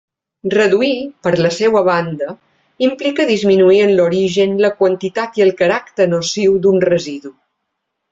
Reduir, per la seua banda, implica disminuir en l'origen la quantitat i el caràcter nociu d'un residu.